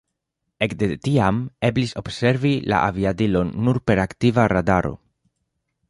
Ekde tiam eblis observi la aviadilon nur per aktiva radaro.